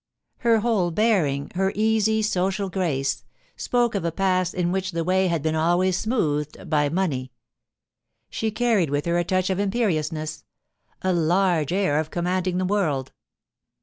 Her whole bearing, her easy social grace, spoke of a past in which the way had been always smoothed by money. She carried with her a touch of imperiousness, a large air of commanding the world.